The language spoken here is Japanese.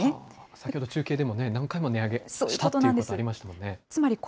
先ほど中継でもね、何回も値上げしたっていうことありました